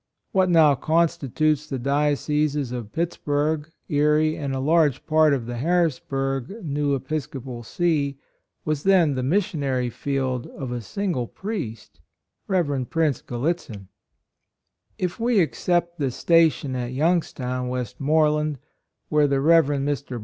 What now constitutes tern 46 MISSIONARY CAREER, &C. 47 the dioceses of Pittsburgh, Erie, and a large part of the Harris burgh new Episcopal See, was then the missionary field of a single priest — Rev. Prince Grallitzin. If we except the station at Youngs town, Westmoreland, where the Rev. Mr.